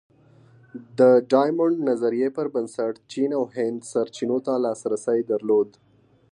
د ډایمونډ نظریې پر بنسټ چین او هند سرچینو ته لاسرسی درلود.